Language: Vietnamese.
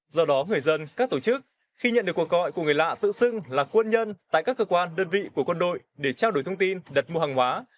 do đó người dân các tổ chức khi nhận được cuộc gọi của người lạ tự xưng là quân nhân tại các cơ quan đơn vị của quân đội để trao đổi thông tin đặt mua hàng hóa